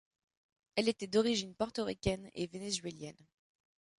Elle était d'origine porto-ricaine et vénézuelienne.